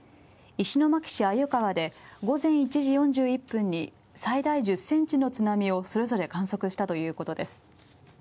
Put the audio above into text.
石巻市鮎川で午前１時４０分に最大１０センチの津波をそれぞれ観測したということです。